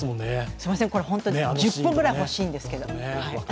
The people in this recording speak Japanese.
すいません、１０分くらい欲しいんですけど。